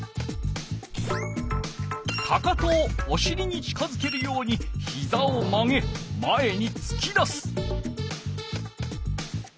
かかとをおしりに近づけるようにひざを曲げ前につき出す。